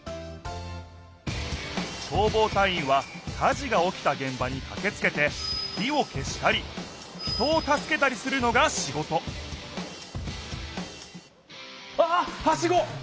消防隊員は火事がおきたげん場にかけつけて火を消したり人を助けたりするのが仕事わあっはしご！